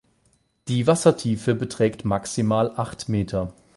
Die Wassertiefe beträgt maximal acht Meter.